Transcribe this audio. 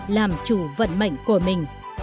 làm chủ vận mệnh của mình